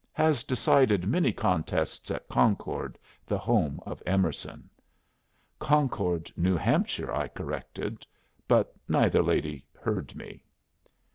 Has decided many contests at Concord, the home of Emerson." "Concord, New Hampshire," I corrected; but neither lady heard me.